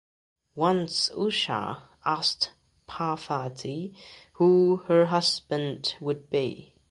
Once Usha asked Parvati who her husband would be.